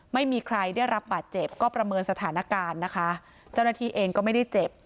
ไม่มีใครได้รับบาดเจ็บก็ประเมินสถานการณ์นะคะเจ้าหน้าที่เองก็ไม่ได้เจ็บ